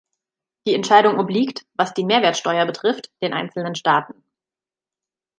Die Entscheidung obliegt, was die Mehrwertsteuer betrifft, den einzelnen Staaten.